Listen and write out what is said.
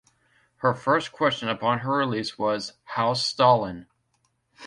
Her first question upon her release was How's Stalin?